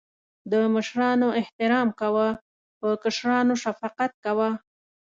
د مشرانو احترام کوه.په کشرانو شفقت کوه